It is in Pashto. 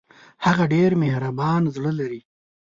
هغه ډېر مهربان زړه لري